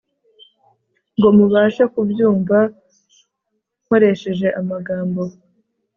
ngo mubashe kubyumva nkoresheje amagambo